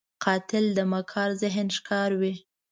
قاتل د مکار ذهن ښکار وي